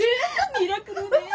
ミラクルねぇ。